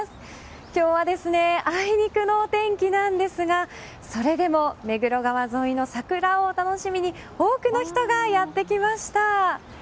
今日はあいにくのお天気なんですがそれでも目黒川沿いの桜を楽しみに多くの人がやってきました。